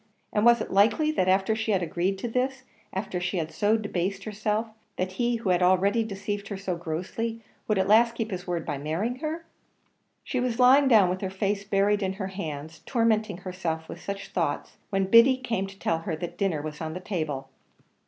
And was it likely that after she had agreed to this after she had so debased herself, that he who had already deceived her so grossly would at last keep his word by marrying her? She was lying down with her face buried in her hands, tormenting herself with such thoughts, when Biddy came to tell her that dinner was on the table.